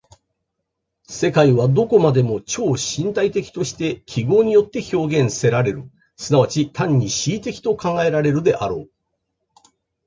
世界はどこまでも超身体的として記号によって表現せられる、即ち単に思惟的と考えられるであろう。